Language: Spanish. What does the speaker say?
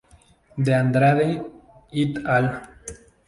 De Andrade "et al.